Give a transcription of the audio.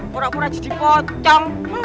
pura pura jadi kocok